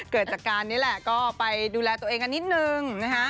เกิดจากการนี้แหละก็ไปดูแลตัวเองกันนิดนึงนะฮะ